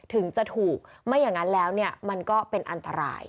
ถึงจะถูกไม่อย่างนั้นแล้วเนี่ยมันก็เป็นอันตราย